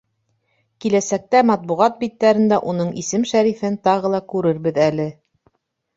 Киләсәктә матбуғат биттәрендә уның исем-шәрифен тағы ла күрербеҙ әле.